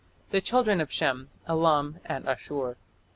The children of Shem: Elam and Asshur